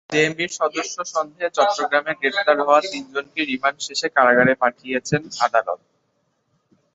জেএমবির সদস্য সন্দেহে চট্টগ্রামে গ্রেপ্তার হওয়া তিনজনকে রিমান্ড শেষে কারাগারে পাঠিয়েছেন আদালত।